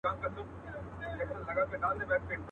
چي دا ولي اې د ستر خالق دښمنه.